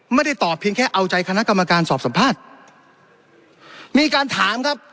ไม่ได้ตอบเพียงแค่เอาใจคณะกรรมการสอบสัมภาษณ์มีการถามครับ